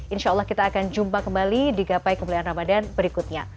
insya allah kita akan jumpa kembali di gapai kemuliaan ramadhan berikutnya